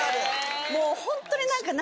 もうホントに何か。